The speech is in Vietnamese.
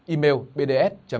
email bds nhân dân a gmail com